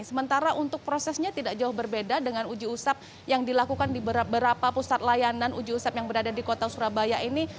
sementara untuk prosesnya tidak jauh berbeda dengan uji usap yang dilakukan di beberapa pusat layanan uji usap yang berada di kota surabaya ini